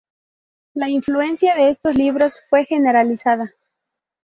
La influencia de estos libros fue generalizada.